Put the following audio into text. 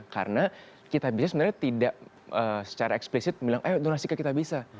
karena kitabisa sebenarnya tidak secara eksplisit bilang ayo donasi ke kitabisa